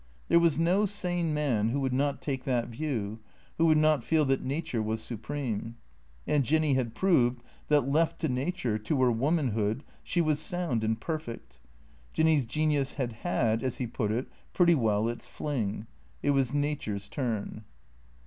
There was no sane man who would not take that view, who would not feel that nature was supreme. And Jinny had proved that left to nature, to her womanhood, she was sound and perfect. Jinny's genius had had, as he put it, pretty well its fling. It was nature's turn.